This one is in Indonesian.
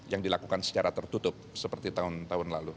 yang dilakukan secara tertutup seperti tahun tahun lalu